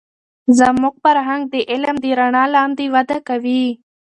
زموږ فرهنگ د علم د رڼا لاندې وده کوي.